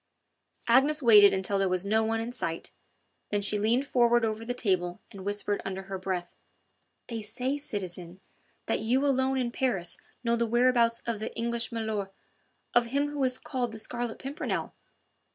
Agnes waited until there was no one in sight, then she leaned forward over the table and whispered under her breath: "They say, citizen, that you alone in Paris know the whereabouts of the English milor' of him who is called the Scarlet Pimpernel...."